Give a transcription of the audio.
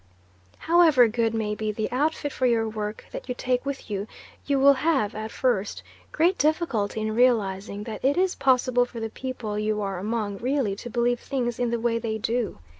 However good may be the outfit for your work that you take with you, you will have, at first, great difficulty in realising that it is possible for the people you are among really to believe things in the way they do.